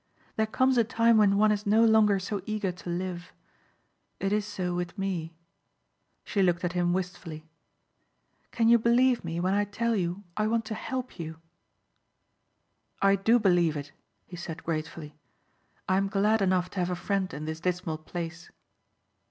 There comes a time when one is no longer so eager to live. It is so with me." She looked at him wistfully. "Can you believe me when I tell you I want to help you?" "I do believe it," he said gratefully. "I am glad enough to have a friend in this dismal place."